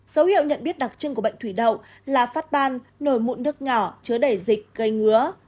dấu hiệu nhận biết đặc trưng của bệnh thủy đậu là phát ban nổi mụn nước nhỏ chứa đẩy dịch gây ngứa